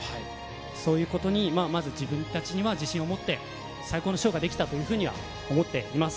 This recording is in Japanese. そういうことにまず自分たちには自信を持って、最高のショーができたというふうには思っています。